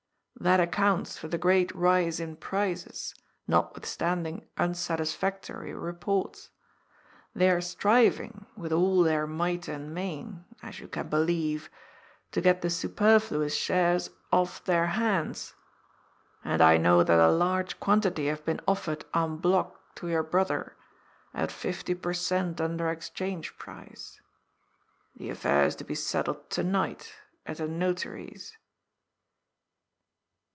That accounts for the great rise in prices, notwithstanding unsatisfactory reports. They are striving, with all their might and main, as you can believe, to get the superfluous shares off their hands. And I know that a large quantity have been offered en bloc to your brother at 50 per cent, under Exchange price. The affair is to be settled to night, at a Notary's."